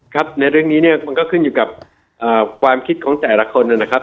ครับในเรื่องนี้เนี่ยมันก็ขึ้นอยู่กับความคิดของแต่ละคนนะครับ